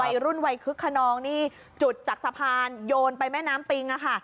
วัยรุ่นวัยคึกขนองนี่จุดจากสะพานโยนไปแม่น้ำปิงอะค่ะ